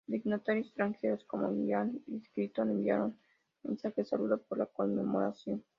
Dignatarios extranjeros como Hillary Clinton enviaron mensajes de saludo por la conmemoración.